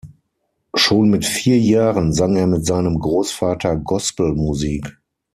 Schon mit vier Jahren sang er mit seinem Großvater Gospelmusik.